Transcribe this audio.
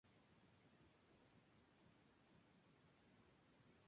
Su significado es "protegido por Baal".